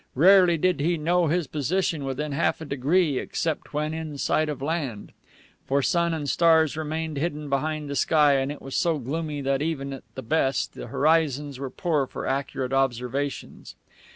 Rarely did he know his position within half a degree, except when in sight of land; for sun and stars remained hidden behind the sky, and it was so gloomy that even at the best the horizons were poor for accurate observations.